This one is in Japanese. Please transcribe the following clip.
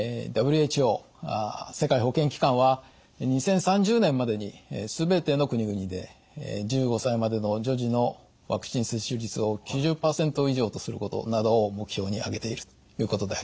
ＷＨＯ世界保健機関は２０３０年までに全ての国々で１５歳までの女児のワクチン接種率を９０％以上とすることなどを目標にあげているということであります。